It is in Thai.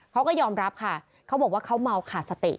เขาก็ยอมรับค่ะเขาบอกว่าเขาเมาขาดสติ